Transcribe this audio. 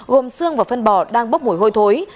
gồm xương và phân bò đang bốc mùi hôi thối